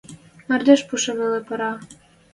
Мардеж пуше веле пыра.